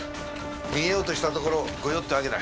逃げようとしたところを御用ってわけだ。